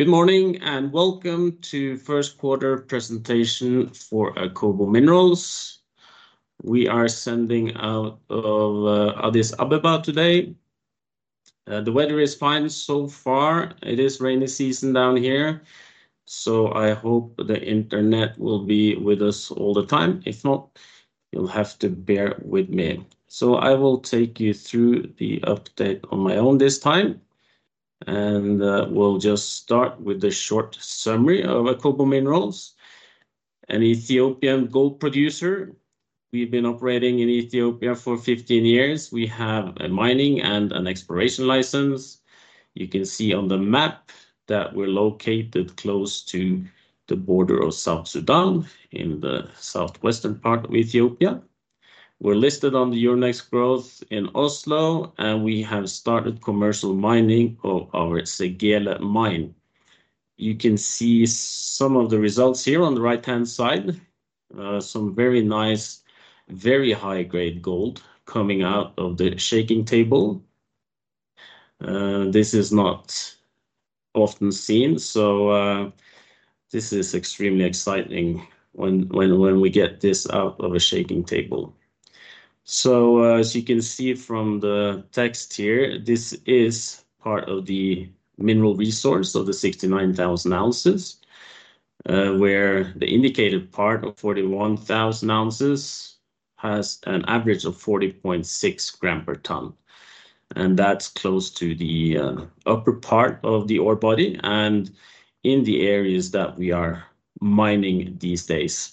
Good morning and welcome to the first quarter presentation for Akobo Minerals. We are sending out of Addis Ababa today. The weather is fine so far. It is rainy season down here, so I hope the internet will be with us all the time. If not, you'll have to bear with me. I will take you through the update on my own this time, and we'll just start with the short summary of Akobo Minerals. An Ethiopian gold producer. We've been operating in Ethiopia for 15 years. We have a mining and an exploration license. You can see on the map that we're located close to the border of South Sudan in the southwestern part of Ethiopia. We're listed on the Euronext Growth in Oslo, and we have started commercial mining of our Segele mine. You can see some of the results here on the right-hand side, some very nice, very high-grade gold coming out of the shaking table. This is not often seen, so this is extremely exciting when we get this out of a shaking table. As you can see from the text here, this is part of the mineral resource of the 69,000 ounces, where the indicated part of 41,000 ounces has an average of 40.6 grams per ton. That is close to the upper part of the ore body and in the areas that we are mining these days.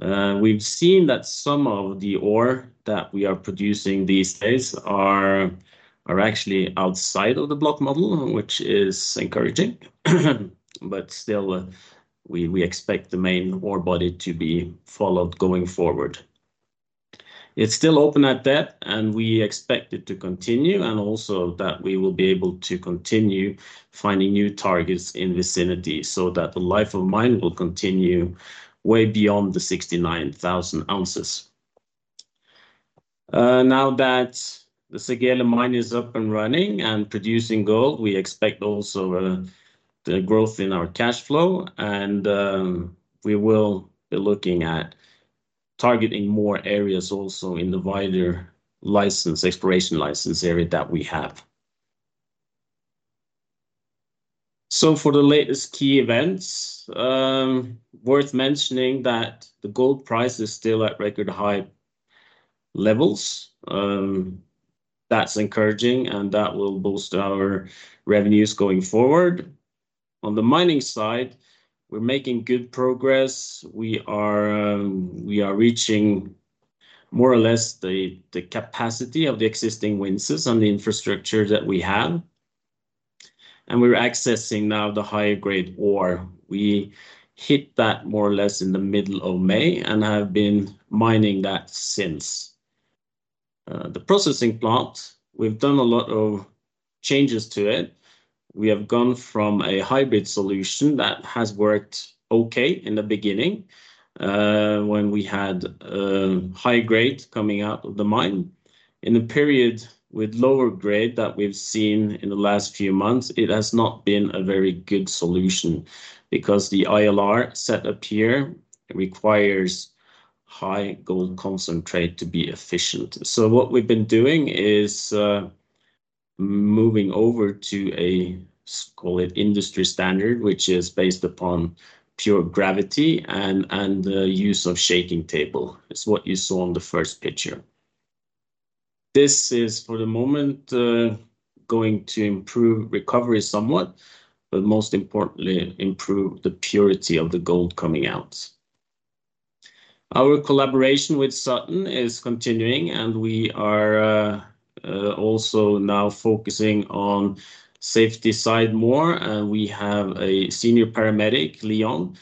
We've seen that some of the ore that we are producing these days are actually outside of the block model, which is encouraging, but still, we expect the main ore body to be followed going forward. It's still open at that, and we expect it to continue, and also that we will be able to continue finding new targets in vicinity so that the life of mine will continue way beyond the 69,000 ounces. Now that the Segele mine is up and running and producing gold, we expect also the growth in our cash flow, and we will be looking at targeting more areas also in the wider license, exploration license area that we have. For the latest key events, worth mentioning that the gold price is still at record high levels. That's encouraging, and that will boost our revenues going forward. On the mining side, we're making good progress. We are reaching more or less the capacity of the existing windsets and the infrastructure that we have. We're accessing now the higher-grade ore. We hit that more or less in the middle of May and have been mining that since. The processing plant, we've done a lot of changes to it. We have gone from a hybrid solution that has worked okay in the beginning when we had high grade coming out of the mine. In the period with lower grade that we've seen in the last few months, it has not been a very good solution because the ILR setup here requires high gold concentrate to be efficient. What we've been doing is moving over to a, call it, industry standard, which is based upon pure gravity and the use of shaking table, is what you saw in the first picture. This is, for the moment, going to improve recovery somewhat, but most importantly, improve the purity of the gold coming out. Our collaboration with Sutton is continuing, and we are also now focusing on the safety side more. We have a senior paramedic, Leon,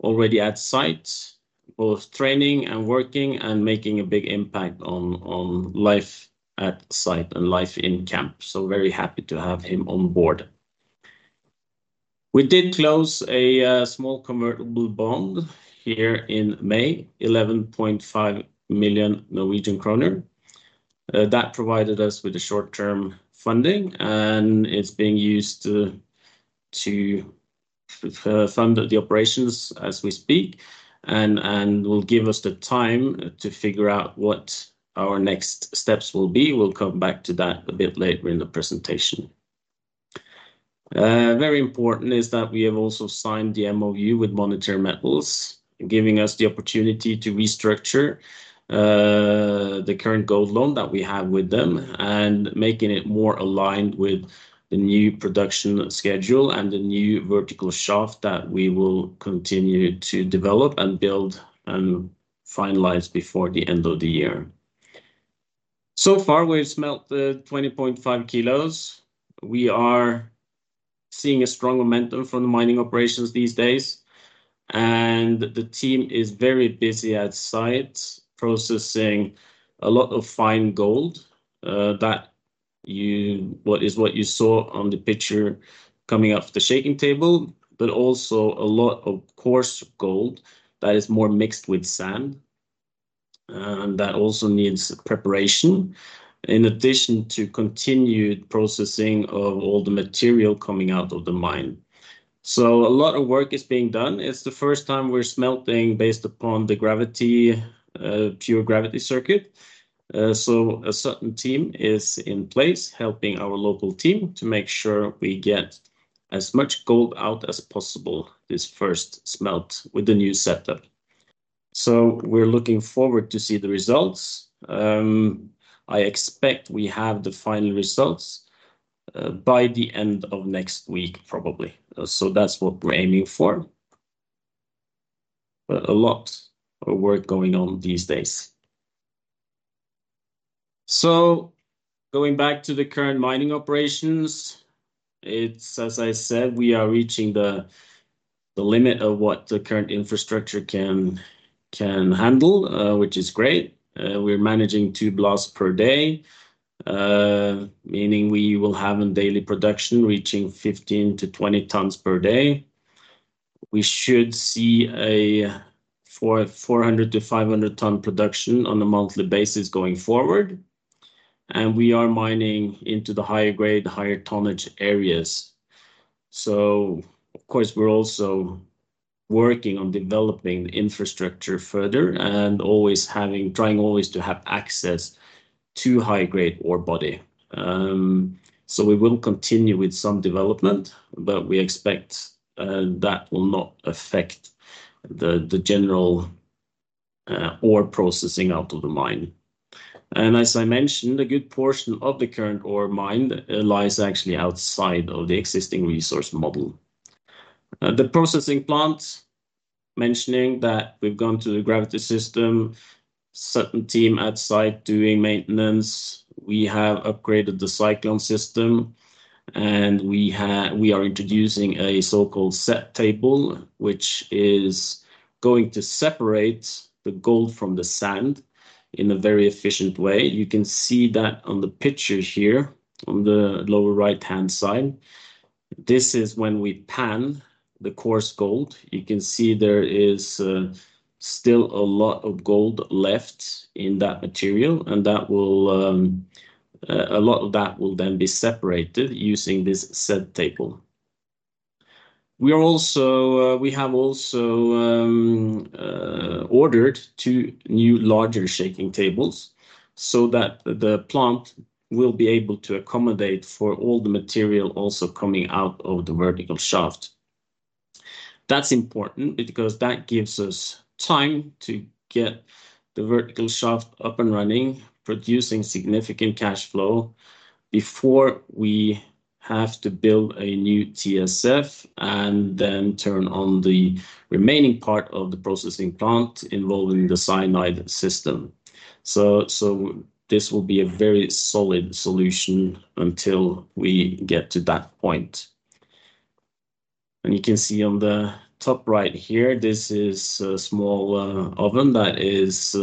already at site, both training and working and making a big impact on life at site and life in camp. Very happy to have him on board. We did close a small convertible bond here in May, 11.5 million Norwegian kroner. That provided us with short-term funding, and it's being used to fund the operations as we speak and will give us the time to figure out what our next steps will be. We'll come back to that a bit later in the presentation. Very important is that we have also signed the MOU with Monetary Metals, giving us the opportunity to restructure the current gold loan that we have with them and making it more aligned with the new production schedule and the new vertical shaft that we will continue to develop and build and finalize before the end of the year. So far, we've smelt 20.5 kilos. We are seeing a strong momentum from the mining operations these days, and the team is very busy at site processing a lot of fine gold. That is what you saw on the picture coming off the shaking table, but also a lot of coarse gold that is more mixed with sand and that also needs preparation in addition to continued processing of all the material coming out of the mine. So, a lot of work is being done. It's the first time we're smelting based upon the gravity, pure gravity circuit. So, a Sutton team is in place helping our local team to make sure we get as much gold out as possible this first smelt with the new setup. So, we're looking forward to see the results. I expect we have the final results by the end of next week, probably. That's what we're aiming for. A lot of work going on these days. Going back to the current mining operations, it's, as I said, we are reaching the limit of what the current infrastructure can handle, which is great. We're managing two blasts per day, meaning we will have a daily production reaching 15-20 tons per day. We should see a 400-500 ton production on a monthly basis going forward, and we are mining into the higher grade, higher tonnage areas. Of course, we're also working on developing the infrastructure further and always trying always to have access to high-grade ore body. We will continue with some development, but we expect that will not affect the general ore processing out of the mine. As I mentioned, a good portion of the current ore mine lies actually outside of the existing resource model. The processing plant mentioning that we've gone to the gravity system, certain team at site doing maintenance. We have upgraded the cyclone system, and we are introducing a so-called shaking table, which is going to separate the gold from the sand in a very efficient way. You can see that on the picture here on the lower right-hand side. This is when we pan the coarse gold. You can see there is still a lot of gold left in that material, and a lot of that will then be separated using this set table. We have also ordered two new larger shaking tables so that the plant will be able to accommodate for all the material also coming out of the vertical shaft. That is important because that gives us time to get the vertical shaft up and running, producing significant cash flow before we have to build a new TSF and then turn on the remaining part of the processing plant involving the cyanide system. This will be a very solid solution until we get to that point. You can see on the top right here, this is a small oven that is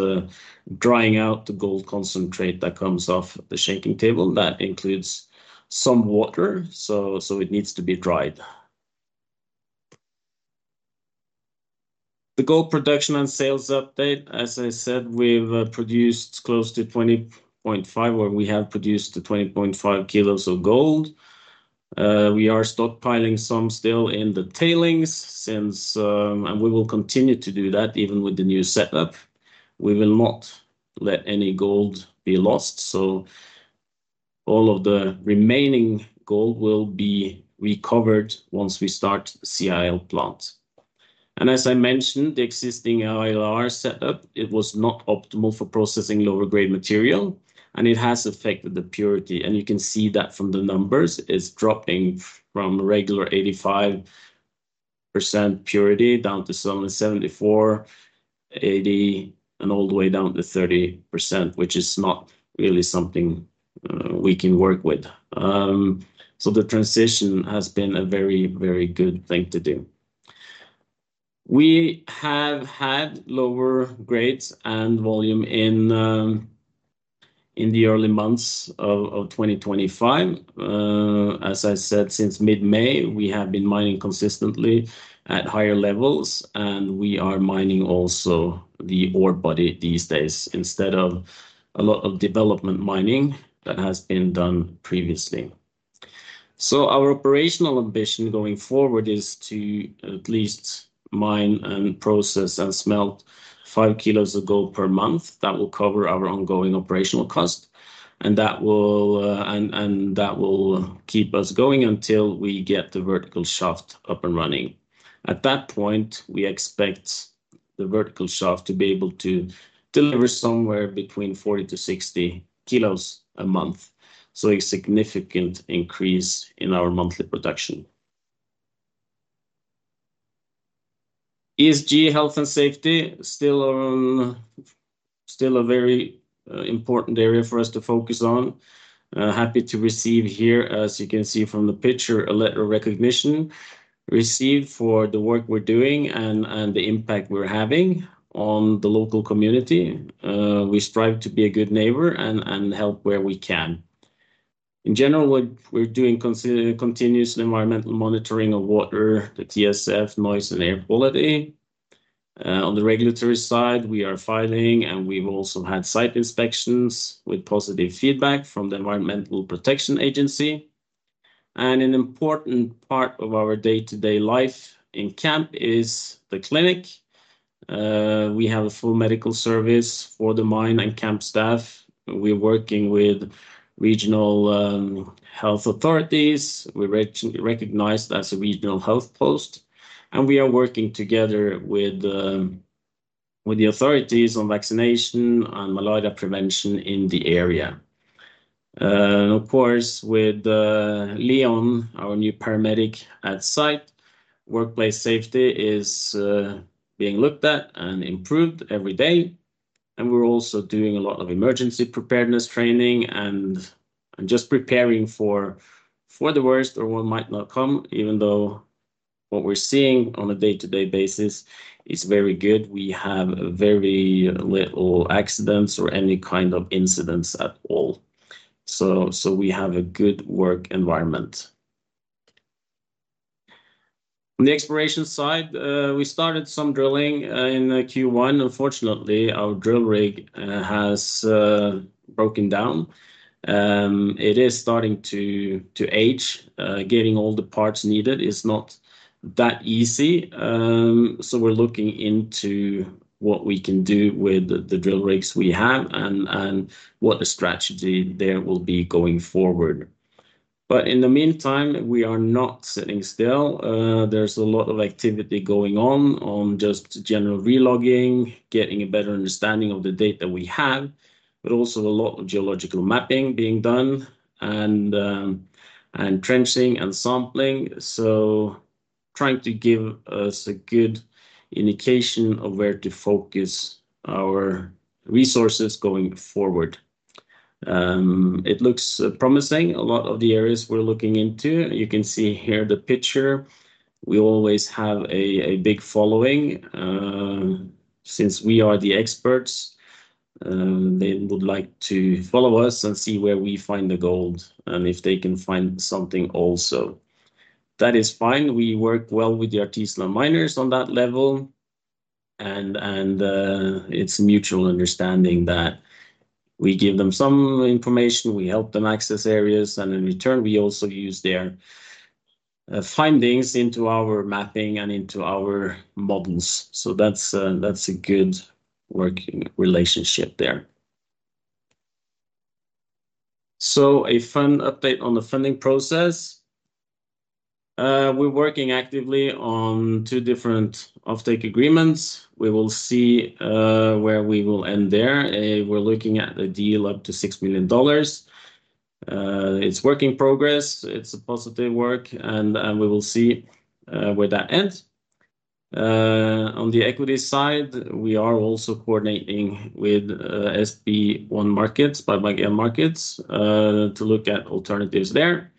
drying out the gold concentrate that comes off the shaking table. That includes some water, so it needs to be dried. The gold production and sales update, as I said, we've produced close to 20.5, or we have produced 20.5 kilos of gold. We are stockpiling some still in the tailings since, and we will continue to do that even with the new setup. We will not let any gold be lost, so all of the remaining gold will be recovered once we start the CIL plant. As I mentioned, the existing ILR setup, it was not optimal for processing lower-grade material, and it has affected the purity. You can see that from the numbers, it's dropping from regular 85% purity down to 74%, 80%, and all the way down to 30%, which is not really something we can work with. The transition has been a very, very good thing to do. We have had lower grades and volume in the early months of 2025. As I said, since mid-May, we have been mining consistently at higher levels, and we are mining also the ore body these days instead of a lot of development mining that has been done previously. Our operational ambition going forward is to at least mine and process and smelt 5 kilos of gold per month. That will cover our ongoing operational cost, and that will keep us going until we get the vertical shaft up and running. At that point, we expect the vertical shaft to be able to deliver somewhere between 40-60 kilos a month, a significant increase in our monthly production. ESG, health and safety, still a very important area for us to focus on. Happy to receive here, as you can see from the picture, a letter of recognition received for the work we're doing and the impact we're having on the local community. We strive to be a good neighbor and help where we can. In general, we're doing continuous environmental monitoring of water, the TSF, noise, and air quality. On the regulatory side, we are filing, and we've also had site inspections with positive feedback from the Environmental Protection Agency. An important part of our day-to-day life in camp is the clinic. We have a full medical service for the mine and camp staff. We're working with regional health authorities. We're recognized as a regional health post, and we are working together with the authorities on vaccination and malaria prevention in the area. Of course, with Leon, our new paramedic at site, workplace safety is being looked at and improved every day. We are also doing a lot of emergency preparedness training and just preparing for the worst or what might not come, even though what we are seeing on a day-to-day basis is very good. We have very few accidents or any kind of incidents at all. We have a good work environment. On the exploration side, we started some drilling in Q1. Unfortunately, our drill rig has broken down. It is starting to age. Getting all the parts needed is not that easy. We are looking into what we can do with the drill rigs we have and what the strategy there will be going forward. In the meantime, we are not sitting still. There's a lot of activity going on, just general relogging, getting a better understanding of the data we have, but also a lot of geological mapping being done and trenching and sampling. Trying to give us a good indication of where to focus our resources going forward. It looks promising. A lot of the areas we're looking into, you can see here the picture. We always have a big following. Since we are the experts, they would like to follow us and see where we find the gold and if they can find something also. That is fine. We work well with the artisanal miners on that level, and it's a mutual understanding that we give them some information, we help them access areas, and in return, we also use their findings into our mapping and into our models. That's a good working relationship there. A fun update on the funding process. We're working actively on two different offtake agreements. We will see where we will end there. We're looking at a deal up to $6 million. It's work in progress. It's a positive work, and we will see where that ends. On the equity side, we are also coordinating with SB1 Markets, BBGM Markets, to look at alternatives there.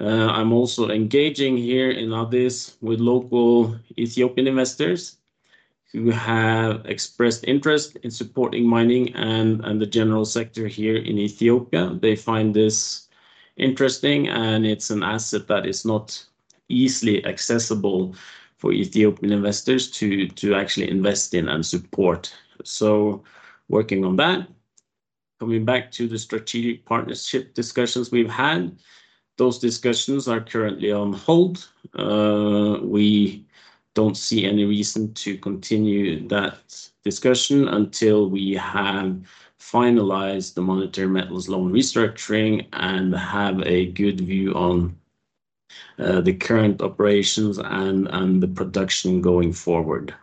I'm also engaging here in this with local Ethiopian investors who have expressed interest in supporting mining and the general sector here in Ethiopia. They find this interesting, and it's an asset that is not easily accessible for Ethiopian investors to actually invest in and support. Working on that. Coming back to the strategic partnership discussions we've had, those discussions are currently on hold. We do not see any reason to continue that discussion until we have finalized the Monetary Metals Loan restructuring and have a good view on the current operations and the production going forward.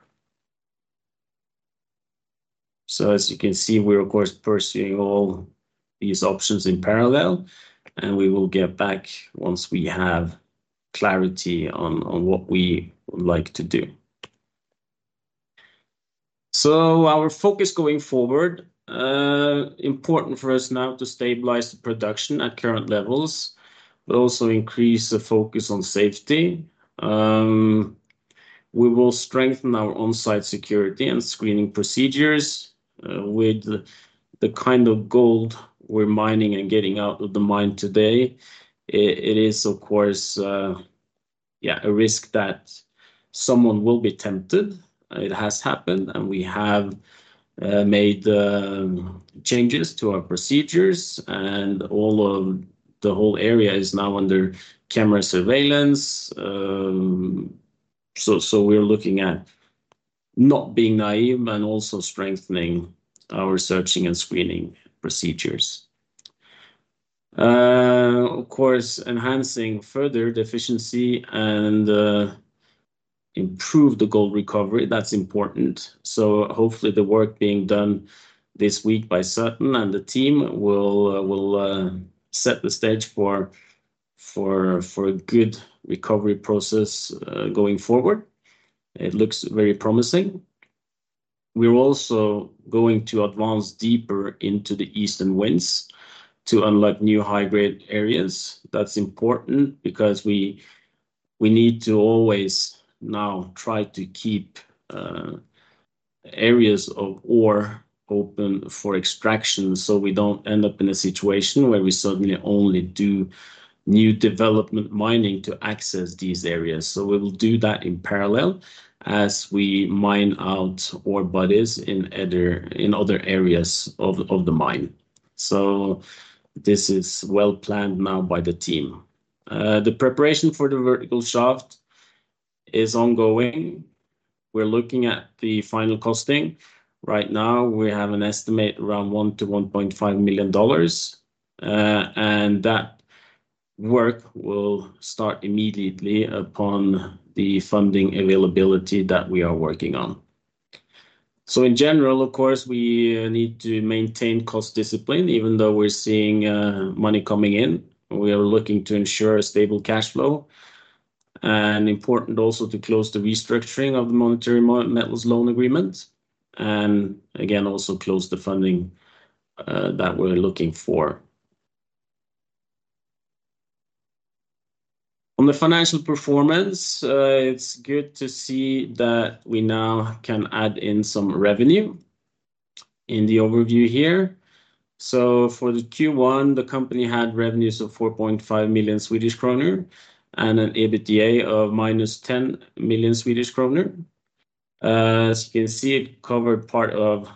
As you can see, we are, of course, pursuing all these options in parallel, and we will get back once we have clarity on what we would like to do. Our focus going forward, important for us now to stabilize the production at current levels, but also increase the focus on safety. We will strengthen our on-site security and screening procedures with the kind of gold we are mining and getting out of the mine today. It is, of course, yeah, a risk that someone will be tempted. It has happened, and we have made changes to our procedures, and the whole area is now under camera surveillance. We're looking at not being naive and also strengthening our searching and screening procedures. Of course, enhancing further deficiency and improve the gold recovery. That's important. Hopefully, the work being done this week by Sutton and the team will set the stage for a good recovery process going forward. It looks very promising. We're also going to advance deeper into the eastern winds to unlock new high-grade areas. That's important because we need to always now try to keep areas of ore open for extraction so we don't end up in a situation where we suddenly only do new development mining to access these areas. We will do that in parallel as we mine out ore bodies in other areas of the mine. This is well planned now by the team. The preparation for the vertical shaft is ongoing. We're looking at the final costing. Right now, we have an estimate around $1-$1.5 million, and that work will start immediately upon the funding availability that we are working on. In general, of course, we need to maintain cost discipline even though we're seeing money coming in. We are looking to ensure a stable cash flow and important also to close the restructuring of the Monetary Metals Loan Agreement and again, also close the funding that we're looking for. On the financial performance, it's good to see that we now can add in some revenue in the overview here. For Q1, the company had revenues of 4.5 million Swedish kronor and an EBITDA of minus 10 million Swedish kronor. As you can see, it covered part of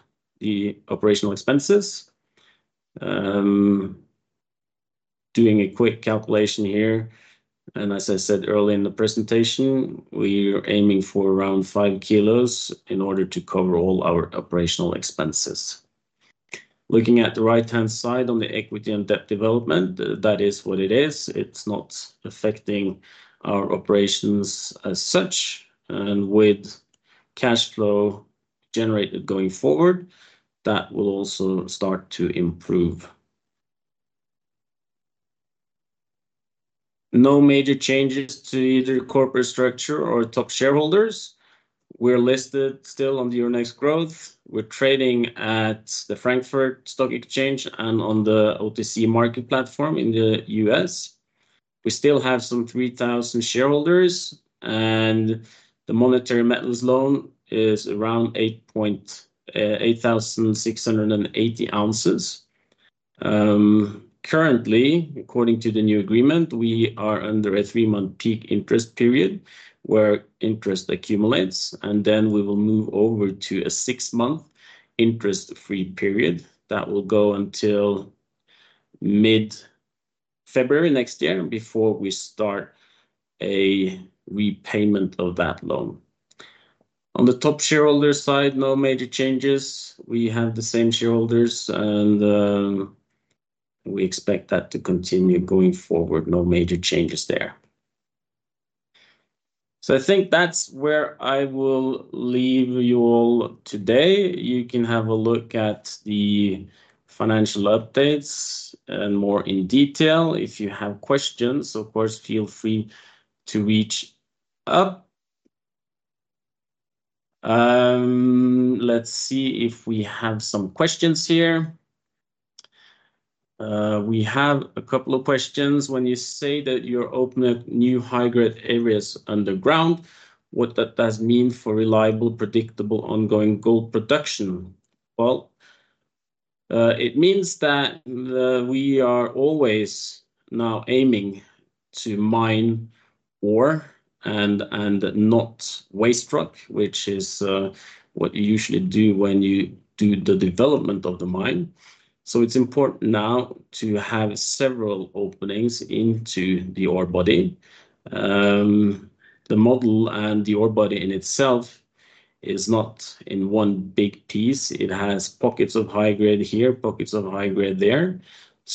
the operational expenses. Doing a quick calculation here, and as I said early in the presentation, we are aiming for around 5 kilos in order to cover all our operational expenses. Looking at the right-hand side on the equity and debt development, that is what it is. It's not affecting our operations as such, and with cash flow generated going forward, that will also start to improve. No major changes to either corporate structure or top shareholders. We're listed still on the Euronext Growth. We're trading at the Frankfurt Stock Exchange and on the OTC market platform in the US. We still have some 3,000 shareholders, and the Monetary Metals Loan is around 8,680 ounces. Currently, according to the new agreement, we are under a three-month peak interest period where interest accumulates, and then we will move over to a six-month interest-free period that will go until mid-February next year before we start a repayment of that loan. On the top shareholder side, no major changes. We have the same shareholders, and we expect that to continue going forward. No major changes there. I think that's where I will leave you all today. You can have a look at the financial updates and more in detail. If you have questions, of course, feel free to reach up. Let's see if we have some questions here. We have a couple of questions. When you say that you're opening new high-grade areas underground, what does that mean for reliable, predictable ongoing gold production? It means that we are always now aiming to mine ore and not waste rock, which is what you usually do when you do the development of the mine. It is important now to have several openings into the ore body. The model and the ore body in itself is not in one big piece. It has pockets of high-grade here, pockets of high-grade there.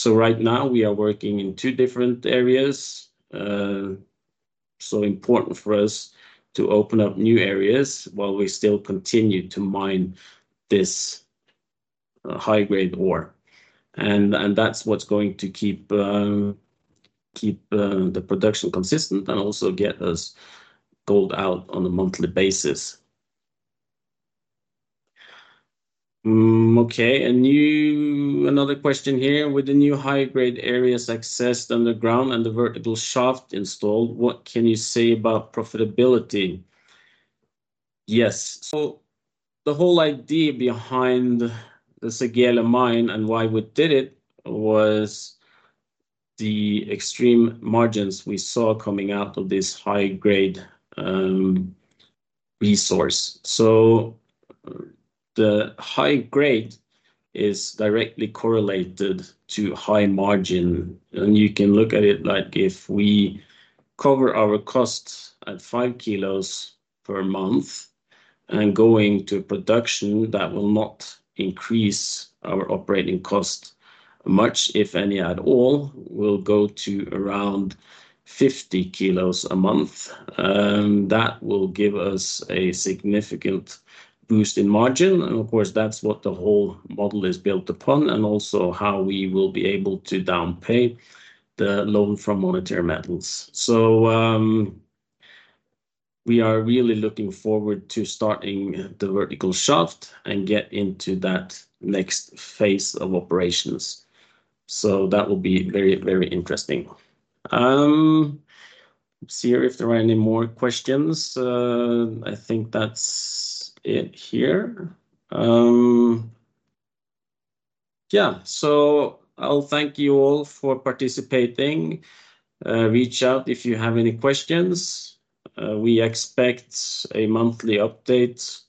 Right now, we are working in two different areas. It is important for us to open up new areas while we still continue to mine this high-grade ore. That is what is going to keep the production consistent and also get us gold out on a monthly basis. Okay, another question here. With the new high-grade area accessed underground and the vertical shaft installed, what can you say about profitability? Yes. The whole idea behind the Segele mining and why we did it was the extreme margins we saw coming out of this high-grade resource. The high-grade is directly correlated to high margin, and you can look at it like if we cover our costs at 5 kilos per month and go into production, that will not increase our operating cost much, if any at all. We will go to around 50 kilos a month. That will give us a significant boost in margin. Of course, that is what the whole model is built upon and also how we will be able to downpay the loan from Monetary Metals. We are really looking forward to starting the vertical shaft and get into that next phase of operations. That will be very, very interesting. Let's see here if there are any more questions. I think that's it here. Yeah, so I'll thank you all for participating. Reach out if you have any questions. We expect a monthly update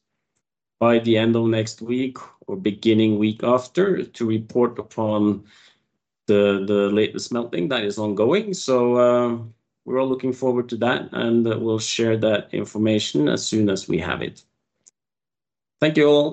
by the end of next week or beginning week after to report upon the latest melting that is ongoing. We're all looking forward to that, and we'll share that information as soon as we have it. Thank you all.